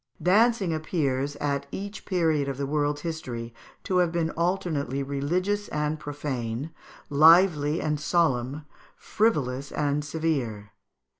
Dancing appears, at each period of the world's history, to have been alternately religions and profane, lively and solemn, frivolous and severe.